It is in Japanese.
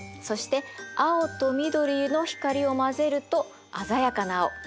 そして青と緑の光を混ぜると鮮やかな青。